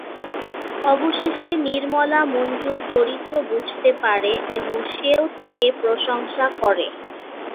অবশেষে নির্মলা মঞ্জুর চরিত্র বুঝতে পারে এবং সেও তাকে প্রশংসা করে।